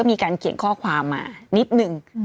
มีการเขียนข้อความมานิดนึง